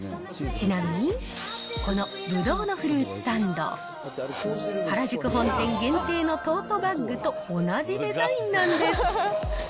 ちなみに、このぶどうのフルーツサンド、原宿本店限定のトートバッグと同じデザインなんです。